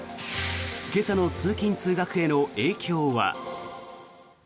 今朝の通勤・通学への影響は。